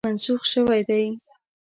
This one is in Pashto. منسوخ شوی دی.